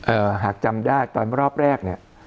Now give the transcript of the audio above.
เอ่อหากจำได้ตอนรอบแรก